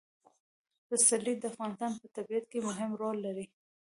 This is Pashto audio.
پسرلی د افغانستان په طبیعت کې مهم رول لري.